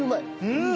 うん！